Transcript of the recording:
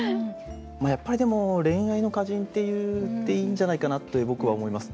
やっぱりでも恋愛の歌人っていっていいんじゃないかなって僕は思います。